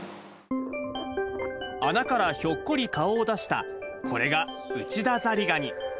穴からひょっこり顔を出した、これがウチダザリガニ。